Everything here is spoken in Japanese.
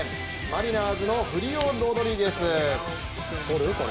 マリナーズのフリオ・ロドリゲス。